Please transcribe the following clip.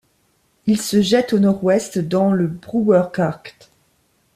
Il se jette au nord-ouest dans le Brouwersgracht.